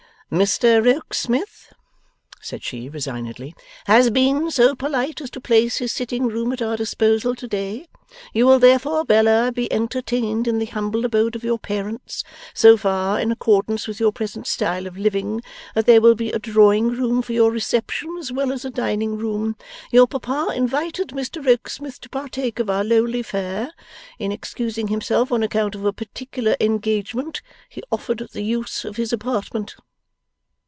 'Mr Rokesmith,' said she, resignedly, 'has been so polite as to place his sitting room at our disposal to day. You will therefore, Bella, be entertained in the humble abode of your parents, so far in accordance with your present style of living, that there will be a drawing room for your reception as well as a dining room. Your papa invited Mr Rokesmith to partake of our lowly fare. In excusing himself on account of a particular engagement, he offered the use of his apartment.